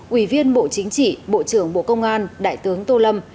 ủy viên bộ chính trị bộ trưởng bộ công an đại tướng tô lâm